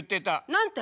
何て？